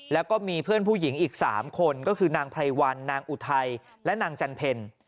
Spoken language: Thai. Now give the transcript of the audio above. แล้วก็มีเพื่อนผู้หญิงอีก๓คนก็คือนางไพรวันนางอุทัยและนางจันเพล